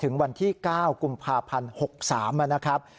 ถึงวันที่๙กลุ่มภาพศรี๖๓นะครับ